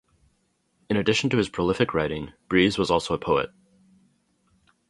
In addition to his prolific writing, Breese was also a poet.